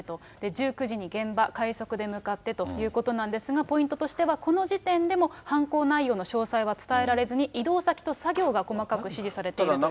１９時に現場、快速で向かってということなんですが、ポイントとしては、この時点でも犯行内容の詳細は伝えられずに、移動先と作業が細かく指示されているということです。